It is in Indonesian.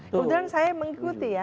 kemudian saya mengikuti ya